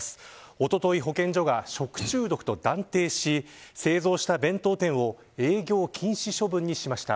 おととい保健所が食中毒と断定し製造した弁当店を営業禁止処分にしました。